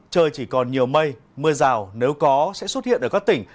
trời chỉ còn nhiều mây mưa rào nếu có sẽ xuất hiện ở các tỉnh